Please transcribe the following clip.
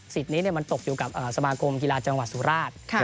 นี้มันตกอยู่กับสมาคมกีฬาจังหวัดสุราช